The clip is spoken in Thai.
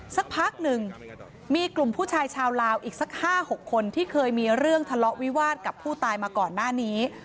สักพักหนึ่งมีกลุ่มผู้ชายชาวลาวอีกสัก๕๖คนที่เคยมีเรื่องทะเลาะวิวาสกับผู้ตายมาก่อนหน้านี้